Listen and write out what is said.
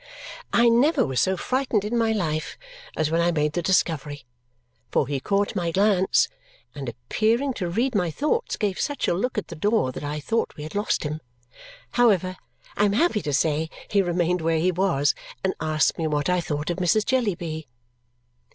I never was so frightened in my life as when I made the discovery, for he caught my glance, and appearing to read my thoughts, gave such a look at the door that I thought we had lost him. However, I am happy to say he remained where he was, and asked me what I thought of Mrs. Jellyby.